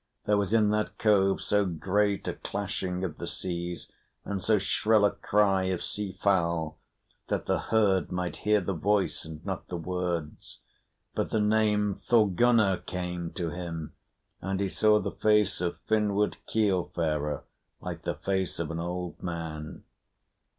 There was in that cove so great a clashing of the seas and so shrill a cry of sea fowl that the herd might hear the voice and nor the words. But the name Thorgunna came to him, and he saw the face of Finnward Keelfarer like the face of an old man.